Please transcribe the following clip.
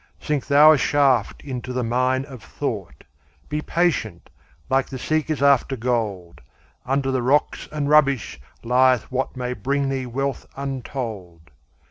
Sink thou a shaft into the mine of thought; Be patient, like the seekers after gold; Under the rocks and rubbish lieth what May bring thee wealth untold.